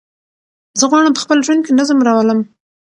زه غواړم په خپل ژوند کې نظم راولم.